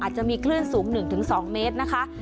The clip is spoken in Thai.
จะมีคลื่นสูง๑๒เมตรนะคะ